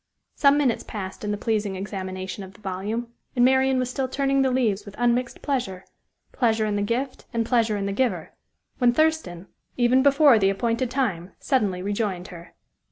Some minutes passed in the pleasing examination of the volume; and Marian was still turning the leaves with unmixed pleasure pleasure in the gift, and pleasure in the giver when Thurston, even before the appointed time, suddenly rejoined her.